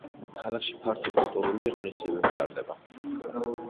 ქალაქში ფართო კულტურული ღონისძიებები ტარდება.